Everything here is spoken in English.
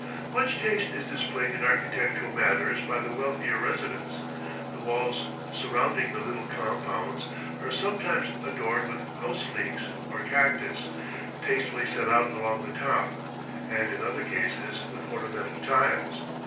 Much taste is displayed in architectural matters by the wealthier residents. The walls surrounding the little compounds are sometimes adorned with house leeks or cactus, tastefully set out along the top; and, in other cases, with ornamental tiles.